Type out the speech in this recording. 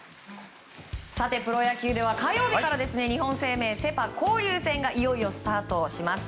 プロ野球では火曜日から日本生命セ・パ交流戦がスタートします。